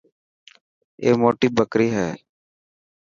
اي موٽي ٻڪري هي.